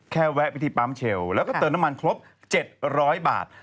แวะไปที่ปั๊มเชลแล้วก็เติมน้ำมันครบ๗๐๐บาท